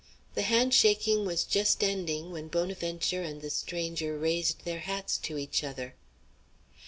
The handshaking was just ending when Bonaventure and the stranger raised their hats to each other.